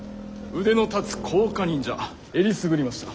腕の立つ甲賀忍者えりすぐりました。